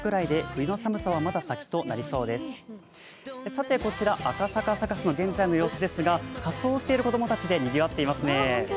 さてこちら赤坂サカスの現在の様子ですが、仮装をしている子供たちでにぎわってますね。